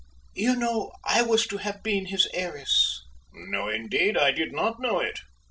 You know I was to have been his heiress!" "No, indeed I did not know it!